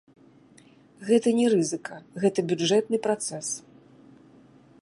Гэта не рызыка, гэта бюджэтны працэс.